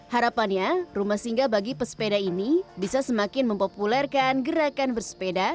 harapannya rumah singga bagi pesepeda ini bisa semakin mempopulerkan gerakan bersepeda